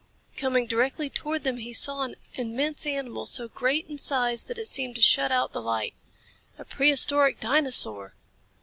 Coming directly toward them he saw an immense animal so great in size that it seemed to shut out the light. A prehistoric dinosaur!